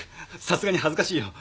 さすがに恥ずかしいよ。